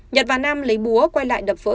nhật và nam lấy búa quay lại đập vỡ